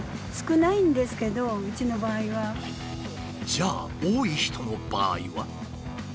じゃあ多い人の場合は？